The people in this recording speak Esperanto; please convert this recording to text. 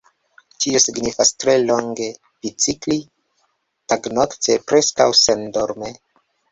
Tio signifas tre longe bicikli, tagnokte, preskaŭ sendorme.